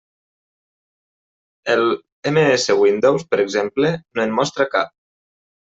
El MS Windows, per exemple, no en mostra cap.